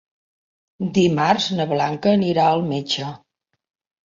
Dimarts na Blanca anirà al metge.